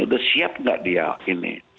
udah siap nggak dia ini